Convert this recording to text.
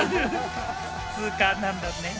ツーカーなんだね。